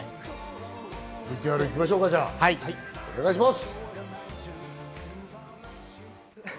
ＶＴＲ行きましょうか、お願いします。